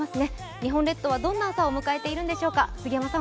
日本列島はどんな朝を迎えているんでしょうか。